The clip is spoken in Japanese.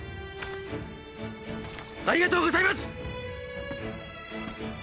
ありがとうございます！